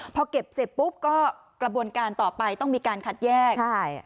พอเก็บเสร็จปุ๊บก็กระบวนการต่อไปต้องมีการคัดแยก